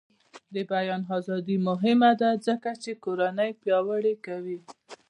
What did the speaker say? د بیان ازادي مهمه ده ځکه چې کورنۍ پیاوړې کوي.